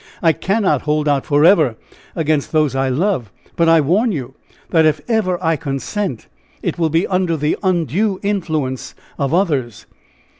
I cannot hold out forever against those I love. But I warn you, that if ever I consent, it will be under the undue influence of others!"